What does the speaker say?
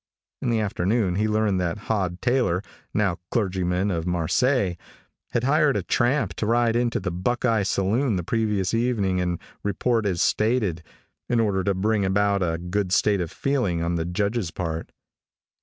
In the afternoon he learned that Hod Taylor, now clergyman to Marseilles, had hired a tramp to ride into the Buckeye saloon the previous evening and report as stated, in order to bring about a good state of feeling on the Judge's part.